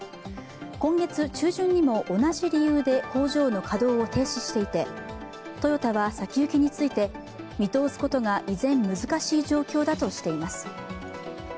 今月中旬にも同じ理由で工場の稼働を停止していてトヨタは、先行きについて見通すことが依然難しい状況だとしています。